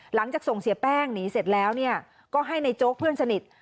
หลังจากส่งเสียแป้งหนีเสร็จแล้วก็ให้ในโจ๊กเพื่อนสนิท